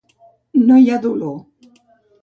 No hi ha dolor.